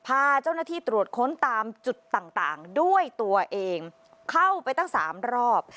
พาเจ้าหน้าที่ตรวจค้นตามจุดต่างด้วยตัวเองเข้าไปตั้งสามรอบ